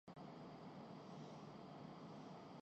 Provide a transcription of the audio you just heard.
بے یارومددگار محسوس کرتا ہوں